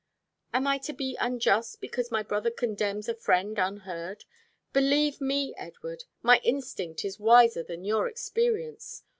"Am I to be unjust because my brother condemns a friend unheard? Believe me, Edward, my instinct is wiser than your experience.